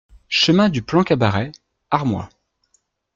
Chemin du Plan Cabaret, Armoy